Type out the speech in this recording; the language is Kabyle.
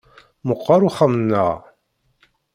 Meqqer uxxam-nneɣ.